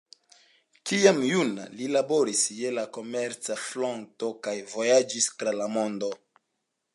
Kiam juna, li laboris je la komerca floto kaj vojaĝis tra la mondo.